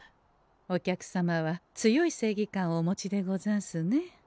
お客様は強い正義感をお持ちでござんすね。